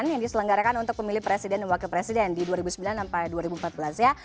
yang diselenggarakan untuk pemilih presiden dan wakil presiden di dua ribu sembilan sampai dua ribu empat belas ya